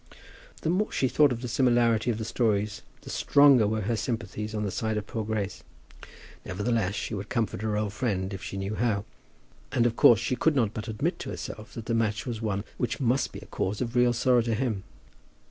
The more she thought of the similarity of the stories, the stronger were her sympathies on the side of poor Grace. Nevertheless, she would comfort her old friend if she knew how; and of course she could not but admit to herself that the match was one which must be a cause of real sorrow to him.